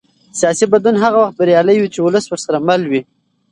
سیاسي بدلون هغه وخت بریالی وي چې ولس ورسره مل وي